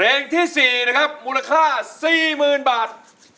เพลงที่สี่นะครับมูลค่าสี่หมื่นบาท